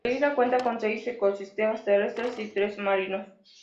La isla cuenta con seis ecosistemas terrestres y tres marinos.